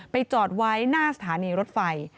จอดไว้หน้าสถานีรถไฟ